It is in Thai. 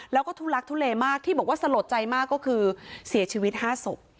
แล้วก็ทุลักทุเลมากที่บอกว่าสลดใจมากก็คือเสียชีวิต๕ศพ